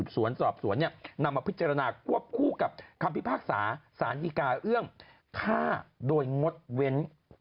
สวนสอบสวนนำมาพิจารณาควบคู่กับคำพิพากษาสารดีกาเอื้อมฆ่าโดยงดเว้น